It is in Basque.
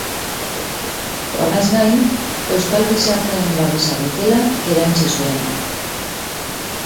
Horrez gain, euskal gizartearen babesa dutela erantsi zuen.